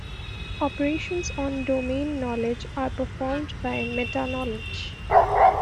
Operations on domain knowledge are performed by meta-knowledge.